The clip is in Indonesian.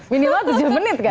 minimal tujuh menit kan